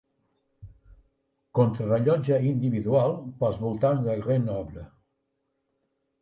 Contrarellotge individual pels voltants de Grenoble.